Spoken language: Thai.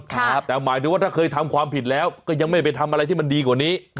แต่หมายถึงว่าถ้าเคยทำความผิดแล้วก็ยังไม่ไปทำอะไรที่มันดีกว่านี้